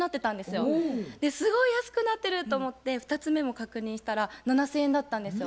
すごい安くなってると思って２つ目も確認したら７，０００円だったんですよ。